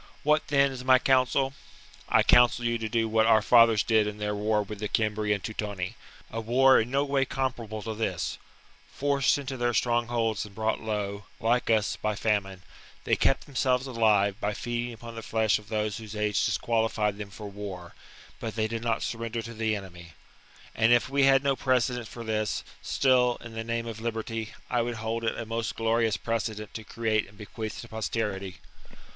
What, then, is my counsel ? I counsel you to do what our fathers did in their war with the Cimbri and Teutoni, — a war in no way comparable to this : forced into their strong holds and brought low, like us, by famine, they kept themselves alive by feeding upon the flesh of those whose age disqualified them for war ; but they did not surrender to the enemy. And if we had no precedent for this, still, in the name of liberty, I would hold it a most glorious precedent to create and bequeath to posterity.